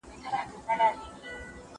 زه به اوږده موده پلان جوړ کړی وم